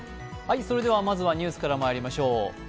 まずはニュースからまいりましょう。